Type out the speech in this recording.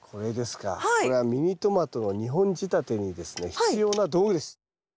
これはミニトマトの２本仕立てにですね必要な道具です。